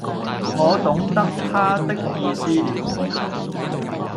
我懂得他的意思了，